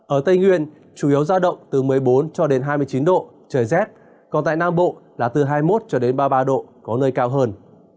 ở tây nguyên chủ yếu ra động từ một mươi bốn cho đến hai mươi chín độ trời rét còn tại nam bộ là từ hai mươi một ba mươi ba độ có nơi cao hơn